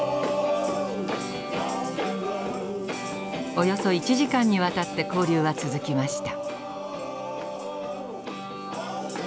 およそ１時間にわたって交流は続きました。